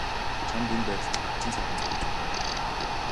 Чамд энэ байдал чинь хачин сайхан зохиж байна.